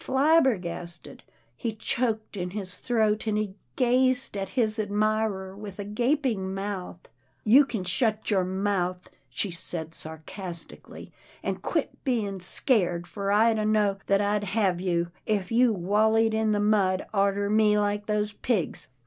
" Flabbergasted," he choked in his throat, and he gazed at his admirer with a gaping mouth. " You kin shut your mouth," she said, sarcasti cally, " an' quit bein' scared, for I dunno that I'd hev you, if you walleyed in the mud arter me like those pigs.